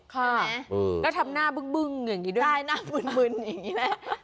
ค่ะแล้วทำหน้าบึ้งอย่างนี้ด้วยใช่หน้ามึนอย่างนี้แหละ